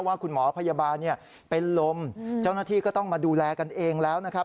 ว่าคุณหมอพยาบาลเป็นลมเจ้าหน้าที่ก็ต้องมาดูแลกันเองแล้วนะครับ